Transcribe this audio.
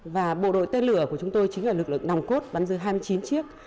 và bộ đội tên lửa của chúng tôi chính là lực lượng nòng cốt bắn rơi hai mươi chín chiếc